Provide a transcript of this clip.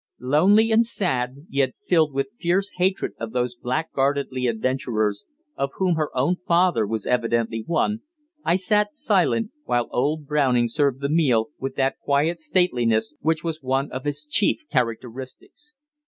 Lonely and sad, yet filled with fierce hatred of those blackguardly adventurers, of whom her own father was evidently one, I sat silent, while old Browning served the meal with that quiet stateliness which was one of his chief characteristics.